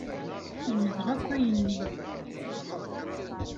Lemdeɣ akk ayenni.